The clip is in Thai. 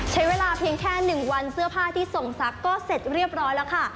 ใช้เวลาเพียงแค่๑วันเสื้อผ้าที่ส่งซักก็เสร็จเรียบร้อยแล้วค่ะ